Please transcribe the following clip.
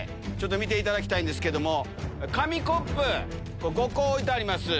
見ていただきたいんですけども紙コップ５個置いてあります。